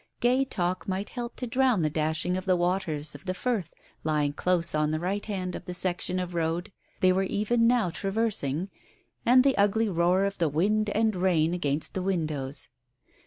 Gay talk might help to drown the dashing of the waters of the Firth lying close on the right hand of the section of road they were even now traversing, and the ugly roar of the wind and rain against the windows.